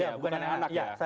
ya bukan yang anak ya